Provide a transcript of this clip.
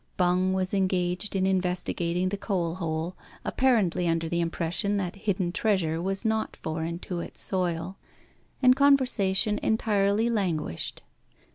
Bung was engaged in investigating the coal hole, apparently under the impression that hidden treasure was not foreign to its soil; and conversation entirely languished.